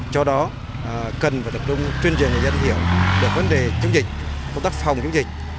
cho đó cần và tập trung chuyên gia nhà dân hiểu về vấn đề chống dịch công tác phòng chống dịch